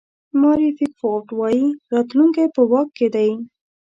ماري پیکفورډ وایي راتلونکی په واک کې دی.